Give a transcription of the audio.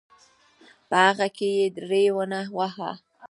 په هغه کې یې ری ونه واهه.